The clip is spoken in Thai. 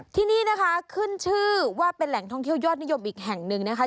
ที่นี่นะคะขึ้นชื่อว่าเป็นแหล่งท่องเที่ยวยอดนิยมอีกแห่งหนึ่งนะคะ